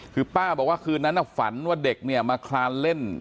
คือป้าบอกว่าคืนนั้นฝันว่าเด็กเนี่ยมาคลานเล่น